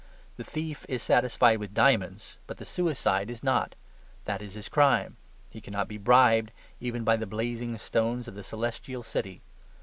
The thief is satisfied with diamonds; but the suicide is not: that is his crime. He cannot be bribed, even by the blazing stones of the Celestial City.